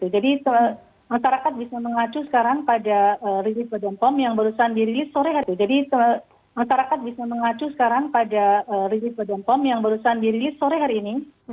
jadi masyarakat bisa mengacu sekarang pada rilis badan pom yang barusan dilakukan